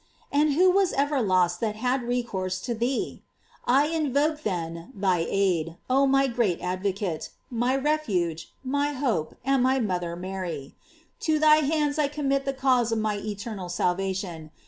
And who was ever lost that had recourse to thee? I invoke, then, thy aid, oh my great advocate, my refuge, my hope, and my mother Mary. To thy hands T commit the cause of my eternal salvation.